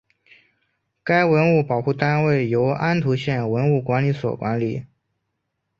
该文物保护单位由安图县文物管理所管理。